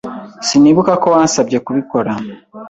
Sinibuka ko wansabye kubikora.